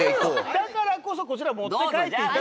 だからこそこちら持って帰っていただく。